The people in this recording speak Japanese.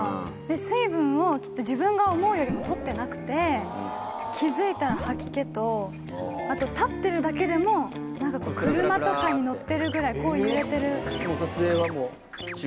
水分を自分が思うよりも取ってなくて気付いたら吐き気とあと立ってるだけでも車とかに乗ってるぐらい揺れてる。